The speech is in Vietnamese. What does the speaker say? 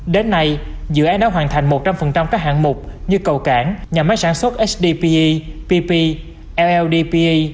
đến nay dự án đã hoàn thành một trăm linh các hạng mục như cầu cảng nhà máy sản xuất hdpe pp lldpe